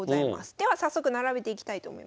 では早速並べていきたいと思います。